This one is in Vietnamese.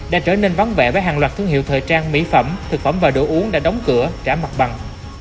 đã trở nên vắng vẻ với hàng loạt thương hiệu thời trang mỹ phẩm thực phẩm và đồ uống đã đóng cửa trả mặt bằng